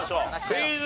クイズ。